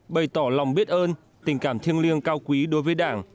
bày tỏ lòng biết ơn tình cảm thiêng liêng cao quý đối với đảng